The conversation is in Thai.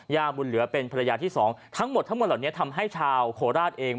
บุญเหลือเป็นภรรยาที่สองทั้งหมดทั้งหมดเหล่านี้ทำให้ชาวโคราชเอง